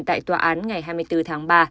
tại tòa án ngày hai mươi bốn tháng ba